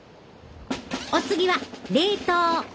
お次は冷凍。